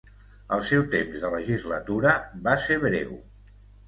El seu temps de legislatura va ser breu.